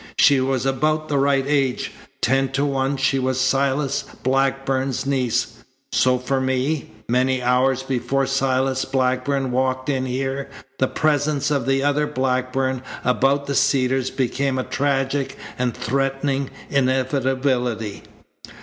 She was about the right age. Ten to one she was Silas Blackburn's niece. So for me, many hours before Silas Blackburn walked in here, the presence of the other Blackburn about the Cedars became a tragic and threatening inevitability.